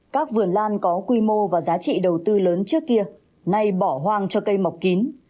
các vườn lan có quy mô và giá trị đầu tư lớn trước kia nay bỏ hoang cho cây mọc kín